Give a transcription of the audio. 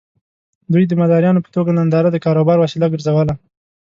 دوی د مداريانو په توګه ننداره د کاروبار وسيله وګرځوله.